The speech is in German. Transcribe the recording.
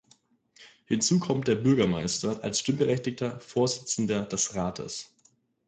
Hinzu kommt der Bürgermeister als stimmberechtigter Vorsitzender des Rates.